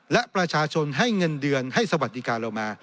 และประชาชนให้เงินเดือนให้สวัสดิการเรามา